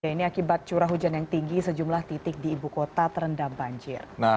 ini akibat curah hujan yang tinggi sejumlah titik di ibu kota terendam banjir